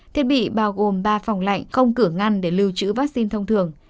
thiết bị bao gồm ba phòng lạnh không cửa ngăn để lưu trữ vaccine thông thường